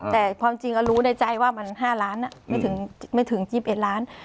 แต่ความจริงอะรู้ในใจว่ามันห้าล้านอ่ะไม่ถึงไม่ถึงยี่สิบเอ็ดล้าน